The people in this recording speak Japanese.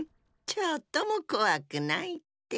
ちょっともこわくないって。